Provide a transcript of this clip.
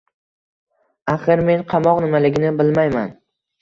Axir, men qamoq nimaligini bilmayman